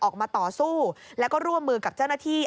ออกมาต่อสู้แล้วก็ร่วมมือกับเจ้าหน้าที่